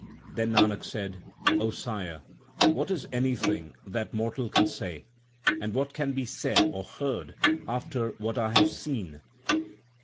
Then Nanak said, O Sire, what is anything that mortal can say, and what can be said or heard after what I have seen